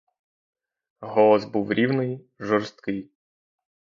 Голос був рівний, жорсткий.